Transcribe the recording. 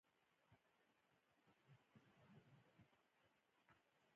غلۍ د ناستې ښه ځای برابروي.